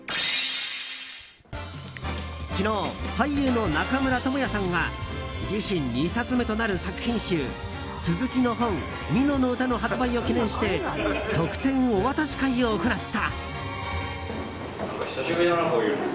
昨日、俳優の中村倫也さんが自身２冊目となる作品集続きの本「蓑唄」の発売を記念して特典お渡し会を行った。